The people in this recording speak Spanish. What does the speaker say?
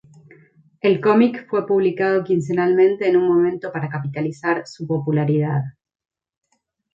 El comic fue publicado quincenalmente en un momento para capitalizar su popularidad.